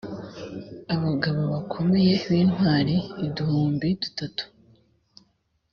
abagabo bakomeye b’intwari uduhumbi dutatu